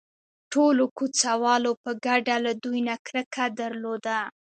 ټولو کوڅه والو په ګډه له دوی نه کرکه درلوده.